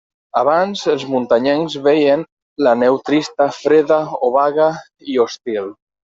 Abans, els muntanyencs veien la neu trista, freda, obaga i hostil.